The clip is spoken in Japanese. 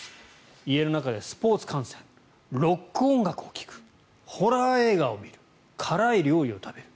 家の中でスポーツ観戦ロック音楽を聴くホラー映画を見る辛い料理を食べる。